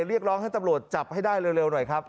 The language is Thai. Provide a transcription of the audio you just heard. เรียกร้องให้ตำรวจจับให้ได้เร็วหน่อยครับ